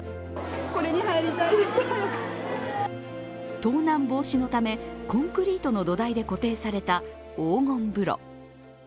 盗難防止のため、コンクリートの土台で固定された黄金風呂。